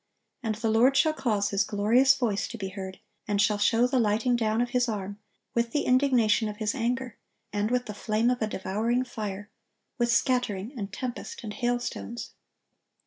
And the Lord shall cause His glorious voice to be heard, and shall show the lighting down of His arm, with the indignation of His anger, and with the flame of a devouring fire, with scattering, and tempest, and hailstones."